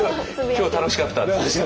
「今日楽しかった」って。